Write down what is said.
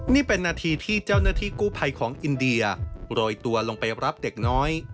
นี่เป็นนาทีที่เจ้าหน้าที่กู้ภัยของอินเดียโรยตัวลงไปรับเด็กน้อย